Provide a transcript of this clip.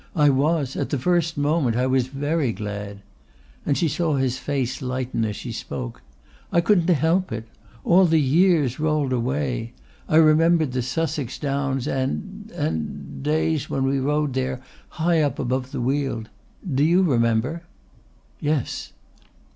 I was at the first moment I was very glad;" and she saw his face lighten as she spoke. "I couldn't help it. All the years rolled away. I remembered the Sussex Downs and and days when we rode there high up above the weald. Do you remember?" "Yes."